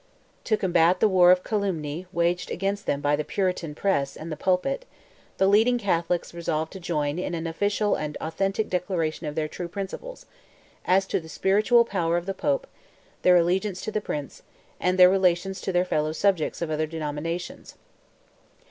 To combat the war of calumny waged against them by the Puritan press and pulpit, the leading Catholics resolved to join in an official and authentic declaration of their true principles, as to the spiritual power of the Pope, their allegiance to the prince, and their relations to their fellow subjects of other denominations.